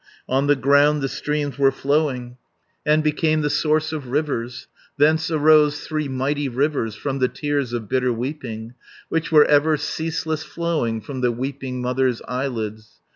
On the ground the streams were flowing, And became the source of rivers; Thence arose three mighty rivers From the tears of bitter weeping, Which were ever ceaseless flowing From the weeping mother's eyelids.